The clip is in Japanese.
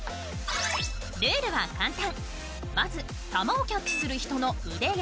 ルールは簡単。